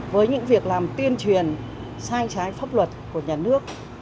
với những việc làm tuyên truyền sai trái pháp luật của nhà nước